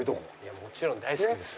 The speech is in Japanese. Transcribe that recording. もちろん大好きですよ